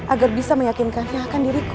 agar bisa meyakinkannya akan diriku